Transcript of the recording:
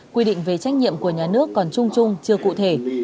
quy định về trách nhiệm của nhà nước còn chung chung chưa cụ thể